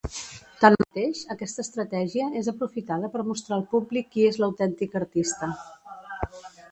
Tanmateix, aquesta estratègia és aprofitada per mostrar al públic qui és l'autèntica artista.